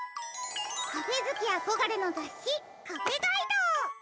カフェずきあこがれのざっし「カフェガイド」！